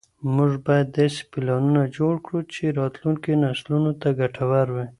موږ بايد داسې پلانونه جوړ کړو چي راتلونکو نسلونو ته ګټور وي.